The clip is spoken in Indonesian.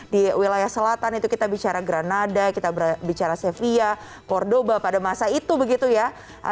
di wilayah selatan itu kita bicara granada kita bicara sevia cordoba pada masa itu begitu ya